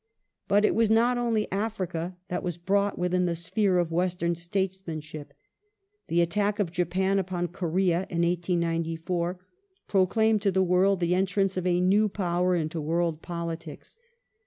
But it was not only Africa that was brought within the sphere The of Western statesmanship. The attack of Japan upon Korea in ^estem 1894 proclaimed to the world the entrance of a new Power into and the world politics.